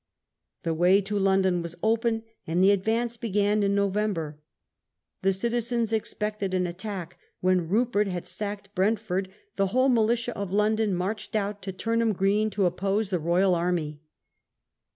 The way to London was open, and the advance began in November. The citizens expected an attack. When Rupert had sacked Brentford, the whole militia of London marched out to Turnham Green to oppose the Royal army.